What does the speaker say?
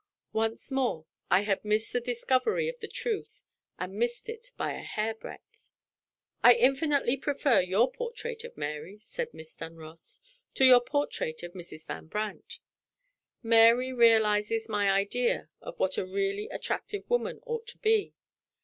Once more, I had missed the discovery of the truth, and missed it by a hair breadth! "I infinitely prefer your portrait of Mary," said Miss Dunross, "to your portrait of Mrs. Van Brandt. Mary realizes my idea of what a really attractive woman ought to be.